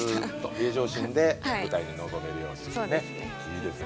平常心で舞台に臨めるように。